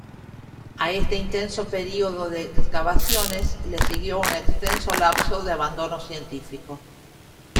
A este intenso periodo de excavaciones le siguió un extenso lapso de abandono científico.